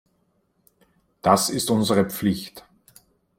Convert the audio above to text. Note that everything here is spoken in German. Das ist unsere Pflicht.